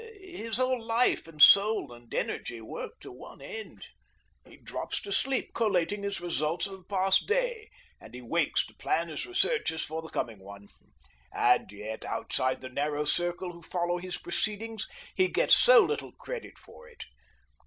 His whole life and soul and energy work to one end. He drops to sleep collating his results of the past day, and he wakes to plan his researches for the coming one. And yet, outside the narrow circle who follow his proceedings, he gets so little credit for it.